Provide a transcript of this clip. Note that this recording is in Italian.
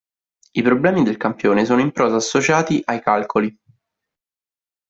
I problemi del campione sono in prosa associati ai calcoli.